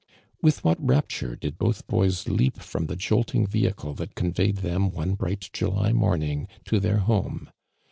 With what rapture did both boys leaj) from the jolting vehicle that conveyed them, one bright July morning, to their home